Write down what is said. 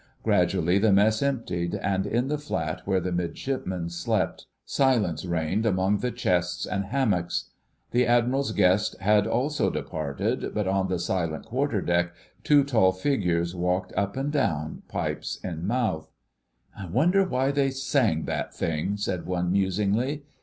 Gradually the Mess emptied, and in the flat where the midshipmen slept silence reigned among the chests and hammocks. The Admiral's guests had also departed, but on the silent quarter deck two tall figures walked up and down, pipes in mouth. "I wonder why they sang that thing," said one musingly.